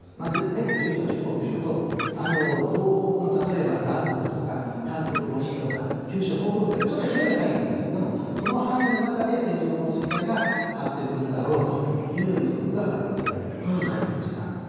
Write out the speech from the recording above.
全国１１の地方というと、東北の例えば南部とか、関東甲信とか、九州北部という、ちょっと広い範囲になるんですけども、その範囲の中で線状降水帯が発生するだろうという予測が発表されることになりました。